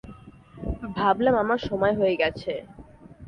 ভাবলাম আমার সময় হয়ে গেছে!